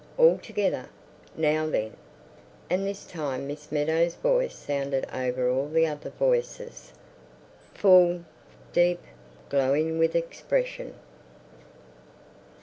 All together. Now then!" And this time Miss Meadows' voice sounded over all the other voices—full, deep, glowing with expression.